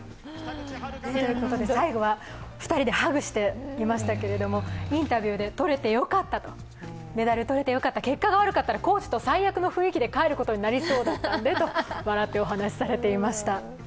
最後は２人でハグしていましたけれどせインタビューでメダルがとれてよかったと、結果が悪かったらコーチと最悪の雰囲気で帰ることになりそうだったんですと笑ってお話しされていました。